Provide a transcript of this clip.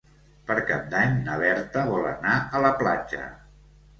Per Cap d'Any na Berta vol anar a la platja.